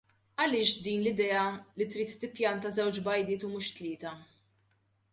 Għaliex din l-idea li trid tippjanta żewġ bajdiet u mhux tlieta?